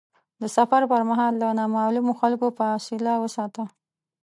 د سفر پر مهال له نامعلومو خلکو فاصله وساته.